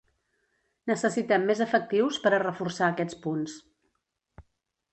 Necessitem més efectius per a reforçar aquests punts.